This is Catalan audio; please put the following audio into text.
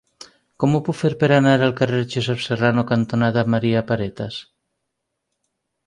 Com ho puc fer per anar al carrer Josep Serrano cantonada Maria Paretas?